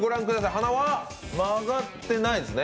鼻は曲がってないですね。